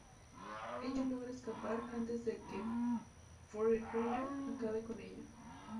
Ella logra escapar antes de que Forerunner acabe con ella.